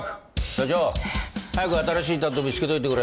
社長早く新しい担当見つけといてくれよ。